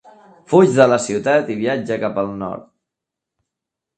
Fuig de la ciutat i viatja cap al nord.